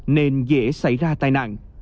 nên dễ xảy ra tai nạn